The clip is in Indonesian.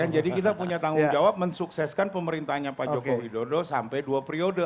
jadi kita punya tanggung jawab mensukseskan pemerintahnya pak joko widodo sampai dua periode